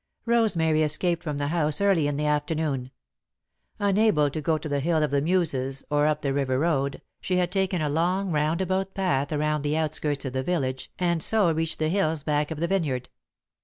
Rosemary escaped from the house early in the afternoon. Unable to go to the Hill of the Muses, or up the river road, she had taken a long, roundabout path around the outskirts of the village and so reached the hills back of the vineyard.